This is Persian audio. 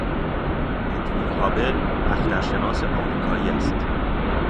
ادوین هابل اخترشناس آمریکایی است.